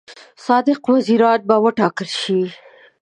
صادق وزیران به وټاکل شي.